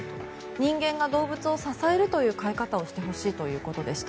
人間が動物を支えるという飼い方をしてほしいということでした。